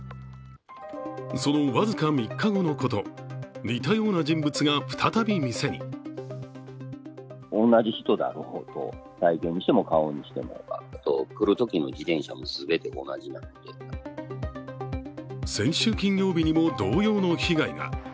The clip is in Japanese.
その僅か３日後のこと、似たような人物が再び店に先週金曜日にも同様の被害が。